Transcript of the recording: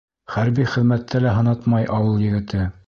Хәрби хеҙмәттә лә һынатмай ауыл егете.